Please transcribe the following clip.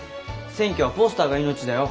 選挙はポスターが命だよ。